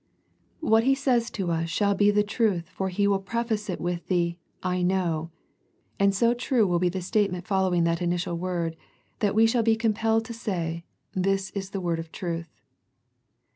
What He says to us shall be the truth, for He will preface it with the " I know," and so true will be the statement following that in itial word that we shall be compelled to say, This is the word of truth.